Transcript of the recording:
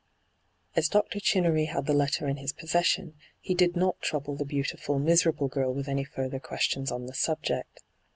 As Dr. Chinnery had the letter in his possesion, he did not trouble the beautiful, miserable girl with any further questions on the subject.